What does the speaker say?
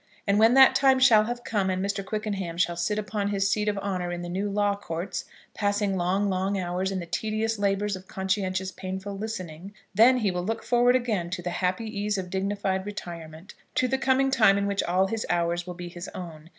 And when that time shall have come, and Mr. Quickenham shall sit upon his seat of honour in the new Law Courts, passing long, long hours in the tedious labours of conscientious painful listening; then he will look forward again to the happy ease of dignified retirement, to the coming time in which all his hours will be his own.